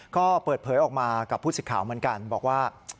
ก็เปิดเผยออกมากับผู้สิทธิ์ข่าวเหมือนกันบอกว่า